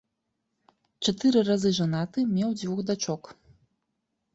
Чатыры разы жанаты, меў дзвюх дачок.